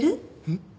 ん？